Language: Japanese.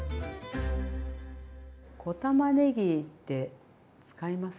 小たまねぎって使います？